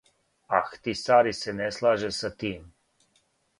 Ахтисари се не слаже са тим.